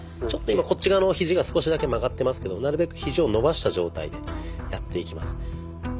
ちょっと今こっち側のひじが少しだけ曲がってますけどなるべくひじを伸ばした状態でやっていきます。